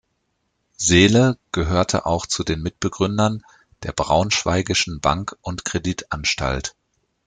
Seele gehörte auch zu den Mitbegründern der Braunschweigischen Bank und Kreditanstalt.